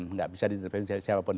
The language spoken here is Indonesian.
tidak bisa diintervensi siapapun